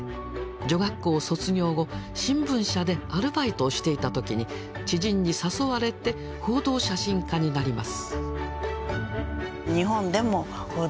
女学校を卒業後新聞社でアルバイトをしていた時に知人に誘われて報道写真家になります。